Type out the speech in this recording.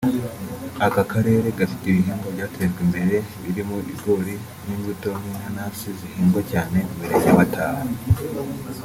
Aka karere gafite ibihingwa byatejwe imbere birimo ibigori n’imbuto nk’inanasi zihingwa cyane mu mirenge ya Mataba